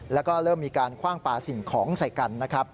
แล้วก็เริ่มมีการคว่างปลาสิ่งของใส่กันนะครับ